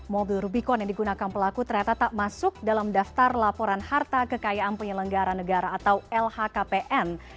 mobil rubicon yang digunakan pelaku ternyata tak masuk dalam daftar laporan harta kekayaan penyelenggara negara atau lhkpn